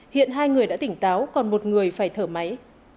hiện hai người đã tỉnh táo còn một người phải thở máy